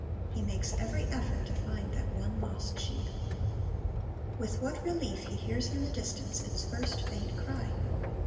He makes every effort to find that one lost sheep. With what relief he hears in the distance its first faint cry.